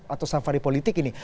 atau safari politik ini